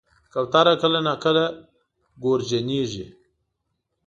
کوتره کله ناکله ګورجنیږي.